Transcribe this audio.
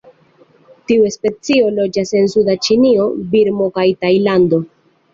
Tiu specio loĝas en suda Ĉinio, Birmo kaj Tajlando.